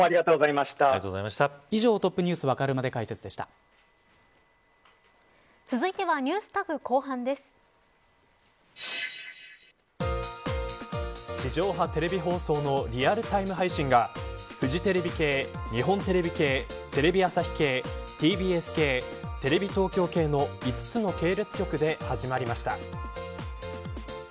以上、Ｔｏｐｎｅｗｓ続いてはＮｅｗｓＴａｇ地上波テレビ放送のリアルタイム配信がフジテレビ系、日本テレビ系テレビ朝日系、ＴＢＳ系テレビ東京系の５つの系列局で始まりました。